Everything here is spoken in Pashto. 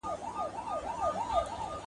ټولنیز بدلون د خلکو په چلند اغېز کوي.